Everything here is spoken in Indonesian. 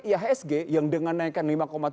ihsg yang dengan naikkan lima tujuh puluh lima